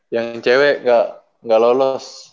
yang cewek gak lolos